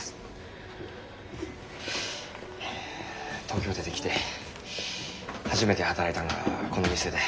東京出てきて初めて働いたんがこの店で。